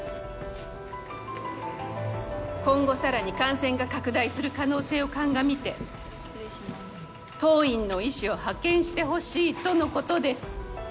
今後さらに感染が拡大する可能性を鑑みて当院の医師を派遣してほしいとのことです。